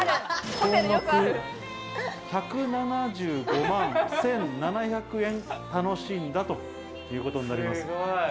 総額１７５万１７００円、楽しんだということになります。